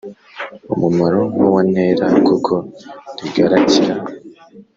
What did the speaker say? umumaro nk’uwa ntera kuko rigaragira